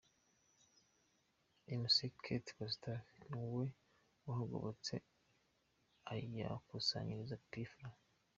Mc Kate Gustave ni we wahagobotse ayakusanyiriza P Fla.